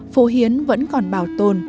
phố hiến vẫn còn bảo tồn